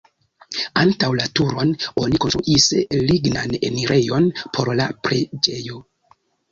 Antaŭ la turon oni konstruis lignan enirejon por la preĝejo.